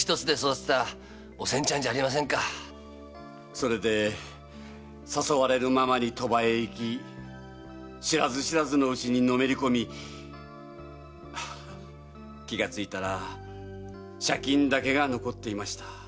それで誘われるままに賭場へ行き知らず知らずの内にのめり込み気がついたら借金だけが残っていました。